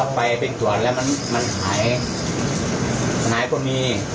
ไม่จับอย่างงี้อ๋อจะขอเรียกนะจากนี้ได้